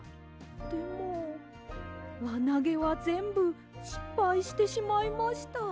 でもわなげはぜんぶしっぱいしてしまいました。